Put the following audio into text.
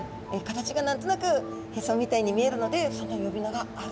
形が何となくへそみたいに見えるのでその呼び名があるんですね。